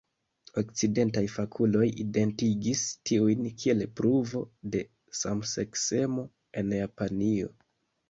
Okcidentaj fakuloj identigis tiujn kiel pruvo de samseksemo en Japanio.